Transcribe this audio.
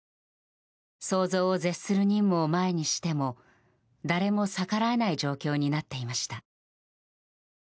想像を絶する任務を前にしても誰も逆らえない状況になっていました。